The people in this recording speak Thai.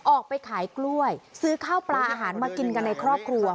ออกไปขายกล้วยซื้อข้าวปลาอาหารมากินกันในครอบครัว